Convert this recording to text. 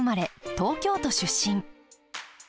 東京都出身。